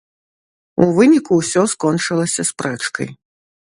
У выніку ўсё скончылася спрэчкай.